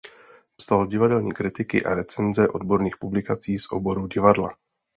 Psal divadelní kritiky a recenze odborných publikací z oboru divadla.